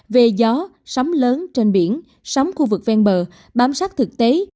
về gió sóng lớn trên biển sống khu vực ven bờ bám sát thực tế